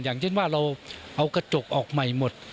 อย่างเช่นว่าเราเอากระจกออกใหม่หมด